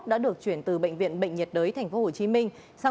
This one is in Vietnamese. đã được chuyển từ bệnh viện bệnh nhiệt đới tp hcm sang bệnh viện tp hcm